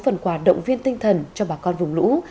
và một quả động viên tinh thần cho bà con vùng lũ